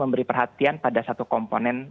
memberi perhatian pada satu komponen